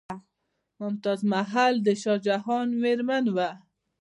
ممتاز محل د شاه جهان میرمن وه.